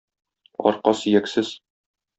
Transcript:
Арка сөяксез.